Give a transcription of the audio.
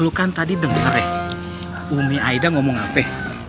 lu kan tadi denger ya umi aida ngomong apa